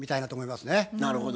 なるほど。